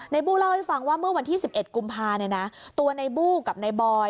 นายบู่เล่าให้ฟังว่าเมื่อวันที่๑๑กุมภาตัวนายบู่กับนายบอย